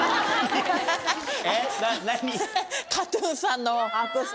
えっ何？